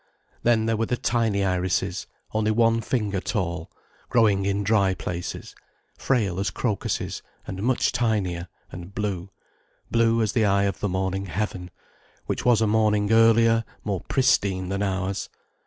Then there were the tiny irises, only one finger tall, growing in dry places, frail as crocuses, and much tinier, and blue, blue as the eye of the morning heaven, which was a morning earlier, more pristine than ours.